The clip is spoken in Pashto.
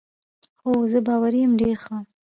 هو، زه باوري یم، ډېر ښه.